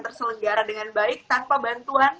terselenggara dengan baik tanpa bantuan